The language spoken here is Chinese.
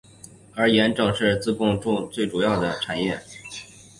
而盐正是自贡最重要的产业。